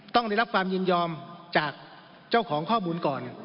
ต้องได้รับความยินยอมจากเจ้าของข้อมูลก่อน